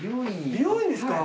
美容院ですか。